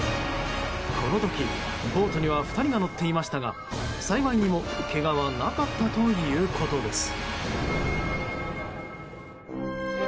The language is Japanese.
この時、ボートには２人が乗っていましたが幸いにもけがはなかったということです。